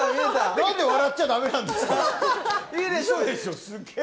何で笑っちゃだめなんですか。